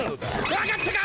分かったか！